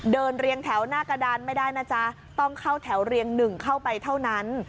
เรียงแถวหน้ากระดานไม่ได้นะจ๊ะต้องเข้าแถวเรียงหนึ่งเข้าไปเท่านั้น